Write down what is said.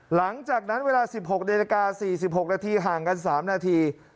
หลังจากนั้นเวลาสิบหกในละกาสี่สิบหกนาทีห่างกันสามนาที